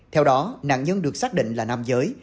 theo đó nạn nhân được xác định là nam giới